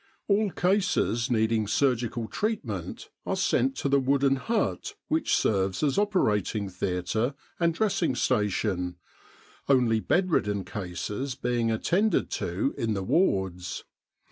All cases needing surgical treatment are sent to the wooden hut which serves as operating theatre and dressing station, only bed ridden cases being attended to in the wards.